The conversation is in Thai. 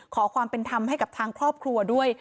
ขอความเป็นธรรมให้กับทางครอบครัวด้วย